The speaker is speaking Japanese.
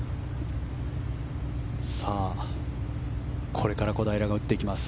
これから小平が打っていきます。